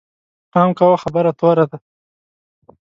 پام کوه، خبره توره ده